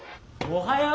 おはよう。